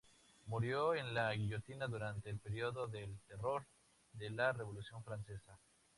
Murió en la guillotina durante el periodo del "Terror" de la Revolución francesa.